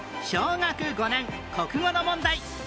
小学５年国語の問題